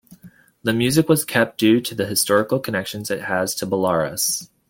The music was kept due to the historical connections it has to Belarus.